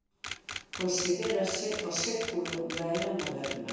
Considérase o século da "era moderna".